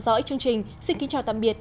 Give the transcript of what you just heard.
dõi chương trình xin kính chào tạm biệt